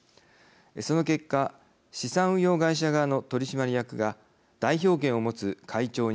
その結果資産運用会社側の取締役が代表権を持つ会長に就任。